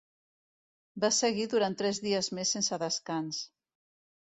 Va seguir durant tres dies més sense descans.